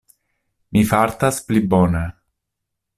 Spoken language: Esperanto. Mi fartas pli bone.